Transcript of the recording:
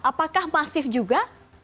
apakah masif juga